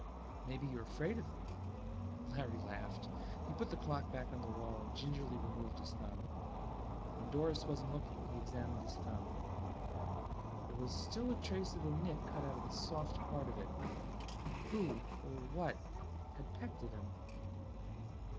"Maybe you're afraid of him." Larry laughed. He put the clock back on the wall and gingerly removed his thumb. When Doris wasn't looking he examined his thumb. There was still a trace of the nick cut out of the soft part of it. Who or what had pecked at him?